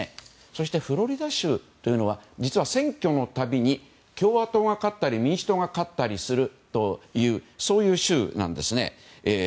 そしてフロリダ州というのは実は選挙のたびに共和党が勝ったり民主党が勝ったりするというそういう州なんですね。